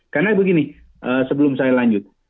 karena begini sebelum saya lanjut